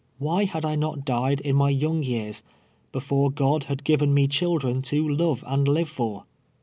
Why had I not died in my young years — before God had given me children to love and live for?